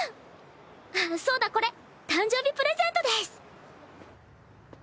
あっそうだこれ誕生日プレゼントです。